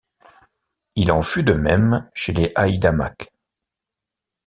Il en fut de même chez les haïdamaks.